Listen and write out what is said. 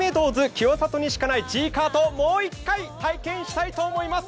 清里にしかないＧーＫＡＲＴをもう一回体験したいと思います。